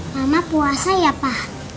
mama puasa ya pa